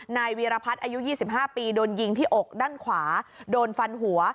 วีรพัฒน์อายุ๒๕ปีโดนยิงที่อกด้านขวาโดนฟันหัว